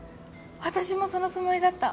私もそのつもりだった！